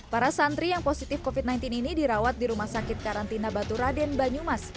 para santri yang positif covid sembilan belas ini dirawat di rumah sakit karantina baturaden banyumas